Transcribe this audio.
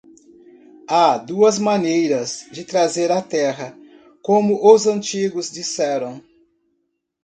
Há duas maneiras de trazer a terra, como os antigos disseram.